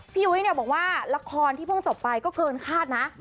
พี่ยุ้ยเนี่ยบอกว่าละครที่เพิ่งจบไปก็เกินคาดนะ